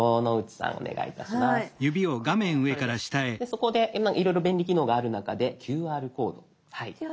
そこでいろいろ便利機能がある中でＱＲコードはい。